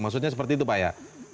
maksudnya seperti itu pak ya